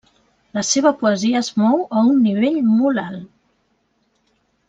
La seva poesia es mou a un nivell molt alt.